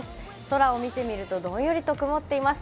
空を見てみるとどんよりと曇っています。